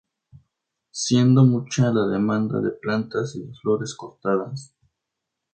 Siendo mucha la demanda de plantas y de flores cortadas.